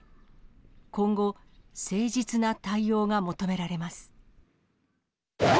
今後、誠実な対応が求められます。